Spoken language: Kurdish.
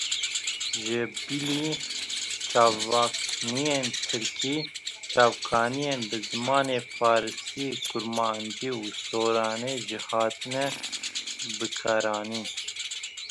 Ji bilî çavakniyên tirkî, çavkaniyên bi zimanê farisî, kurmancî û soranî jî hatine bikaranîn.